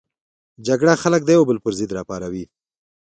جګړه خلک د یو بل پر ضد راپاروي